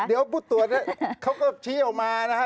เดี๋ยวผู้ตรวจเขาก็ชี้ออกมานะฮะ